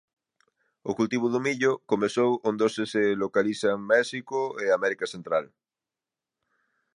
O cultivo do millo comezou onde hoxe se localizan México e América Central.